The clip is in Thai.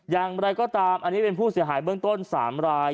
อย่างไรก็ตามอันนี้เป็นผู้เสียหายเบื้องต้น๓ราย